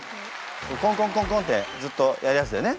コンコンコンコンってずっとやるやつだよね。